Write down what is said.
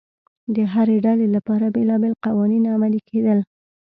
د هرې ډلې لپاره بېلابېل قوانین عملي کېدل